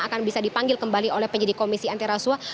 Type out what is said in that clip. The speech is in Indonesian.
akan bisa dipanggil kembali oleh penyelidik komisi antiraswa